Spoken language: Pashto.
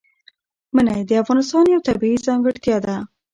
منی د افغانستان یوه طبیعي ځانګړتیا ده.